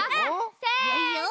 せの。